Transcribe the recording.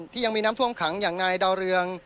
ยังมีน้ำท่วมขังอย่างนายดาวเรือง